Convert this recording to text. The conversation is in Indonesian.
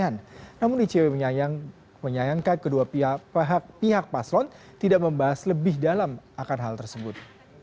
namun icw menyayangkan kedua pihak paslon tidak membahas lebih dalam akan hal tersebut